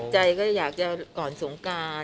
ใจก็อยากจะก่อนสงการ